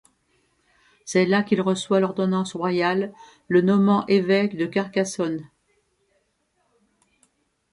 C'est là qu'il reçoit l'ordonnance royale le nommant évêque de Carcassonne.